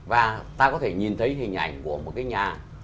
và ta có thể nhìn thấy hình ảnh của một cái nhà